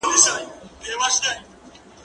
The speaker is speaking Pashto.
مېوې وچ کړه.